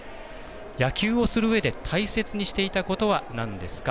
野球をするうえで大切にしていたことはなんですか？